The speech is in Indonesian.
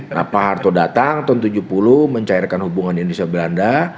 nah pak harto datang tahun seribu sembilan ratus tujuh puluh mencairkan hubungan indonesia belanda